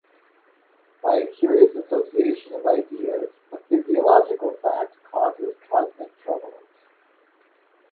By a curious association of ideas, a physiological fact causes cosmic troubles.